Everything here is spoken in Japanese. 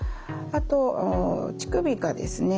あと乳首がですね